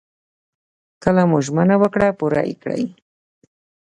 کله مو ژمنه وکړه پوره يې کړئ.